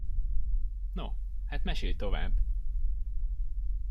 No, hát mesélj tovább!